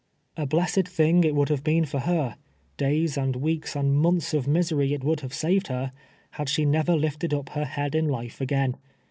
A blessed thing it would have been for her — days and weeks and months of misery it would have saved her — had she never lifted up her head in life again.